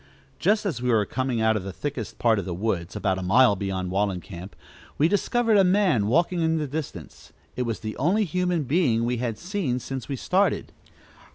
Just as we were coming out of the thickest part of the woods, about a mile beyond Wallencamp, we discovered a man walking in the distance. It was the only human being we had seen since we started.